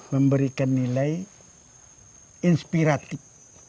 memberikan nilai inspiratif